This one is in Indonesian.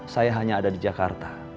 saya hanya ada di jakarta